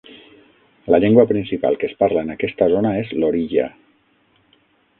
La llengua principal que es parla en aquesta zona és l'oriya.